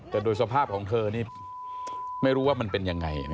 แต่โดยสภาพของเธอนี่ไม่รู้ว่ามันเป็นยังไง